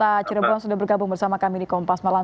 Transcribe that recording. kota cirebon sudah bergabung bersama kami di kompas malam